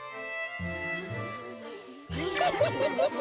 フフフフフ。